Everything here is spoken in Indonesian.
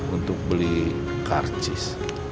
untuk beli karcis